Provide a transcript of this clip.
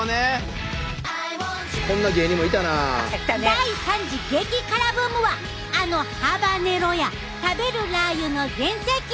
第３次激辛ブームはあのハバネロや食べるラー油の全盛期！